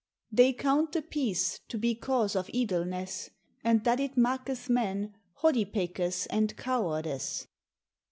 "_They counte Peace to be cause of ydelnes, and that it maketh men hodipekes and cowardes.